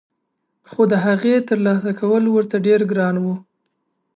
خو دهغې ترلاسه کول ورته ډېر ګران وو